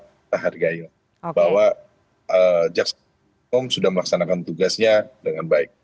jadi ya kita hormat kita hargai bahwa jaksa penuntut umum sudah melaksanakan tugasnya dengan baik